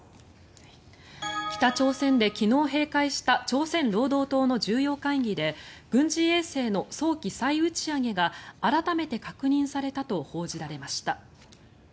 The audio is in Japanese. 北朝鮮で昨日閉会した朝鮮労働党の重要会議で軍事衛星の早期再打ち上げが改めて確認されたと報じられました。